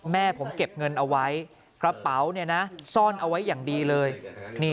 แม่ผมเก็บเงินเอาไว้กระเป๋าซ่อนเอาไว้อย่างดีเลย